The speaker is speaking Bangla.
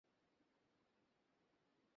চল কারাগারে, শ্যাডিসাইডের বাচ্চা!